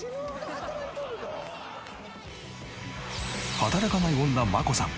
働かない女真子さん